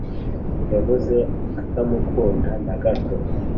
yavuze. atamukunda na gato